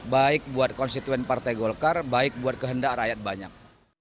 baik buat konstituen partai golkar baik buat kehendak rakyat banyak